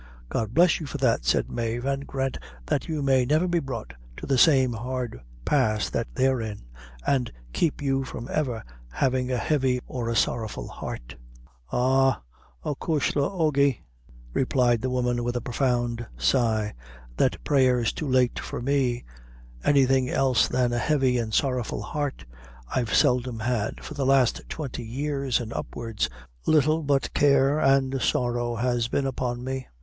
"God bless you for that," said Mave, "an grant that you may never be brought to the same hard pass that they're in, and keep you from ever having a heavy or a sorrowful heart." "Ah, acushla oge," replied the woman with a profound sigh, "that prayer's too late for me; anything else than a heavy and sorrowful heart I've seldom had: for the last twenty years and upwards little but care and sorrow has been upon me.